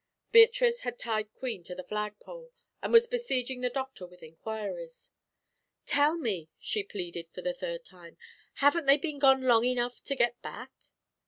Beatrice had tied Queen to the flag pole, and was besieging the Doctor with inquiries. "Tell me," she pleaded, for the third time, "haven't they been gone long enough to get back?"